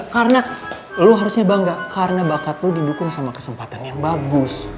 karena lo harusnya bangga karena bakat lo didukung sama kesempatan yang bagus